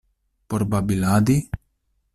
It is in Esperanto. Por babiladi?